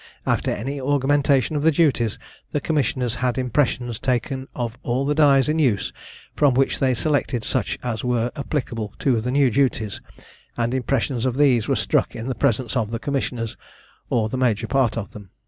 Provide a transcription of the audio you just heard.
After any augmentation of the duties, the commissioners had impressions taken of all the dies in use, from which they selected such as were applicable to the new duties, and impressions of these were struck in the presence of the commissioners, or the major part of them.